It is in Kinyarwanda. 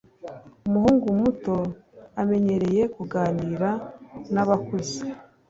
umuhungu muto amenyereye kuganira nabakuze.